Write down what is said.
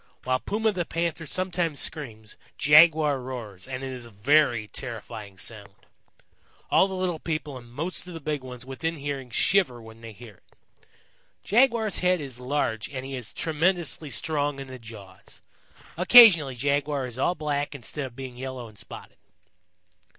While Puma the panther sometimes screams, Jaguar roars, and it is a very terrifying sound. All the little people and most of the big ones within hearing shiver when they hear it. Jaguar's head is large and he is tremendously strong in the jaws. Occasionally Jaguar is all black instead of being yellow and spotted.